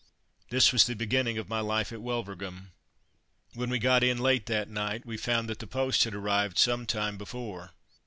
This was the beginning of my life at Wulverghem. When we got in, late that night, we found that the post had arrived some time before.